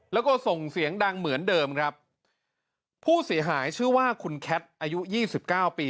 แล้วก็ส่งเสียงดังเหมือนเดิมครับผู้เสียหายชื่อว่าครูแคศอายุ๒๙ปี